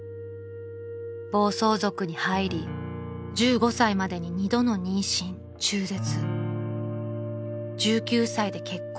［暴走族に入り１５歳までに二度の妊娠中絶］